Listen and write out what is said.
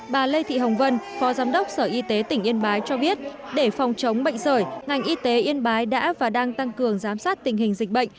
bà lê thị hồng vân phó giám đốc sở y tế tỉnh yên bái cho biết để phòng chống bệnh sởi ngành y tế yên bái đã và đang tăng cường giám sát tình hình dịch bệnh